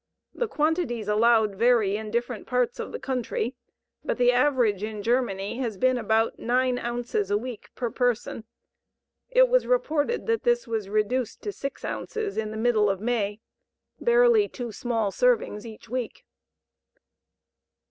The quantities allowed vary in different parts of the country, but the average in Germany has been about 9 ounces a week per person. It was reported that this was reduced to 6 ounces in the middle of May barely two small servings each week.